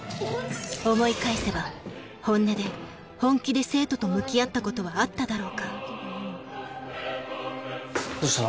思い返せば本音で本気で生徒と向き合ったことはあっただろうかどうした？